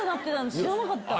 知らなかってん。